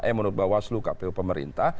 eh menurut bawaslu kpu pemerintah